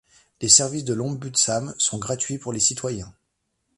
Les services de l'Ombudsman sont gratuits pour les citoyens.